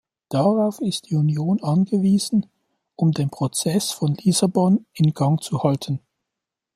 Darauf ist die Union angewiesen, um den Prozess von Lissabon in Gang zu halten.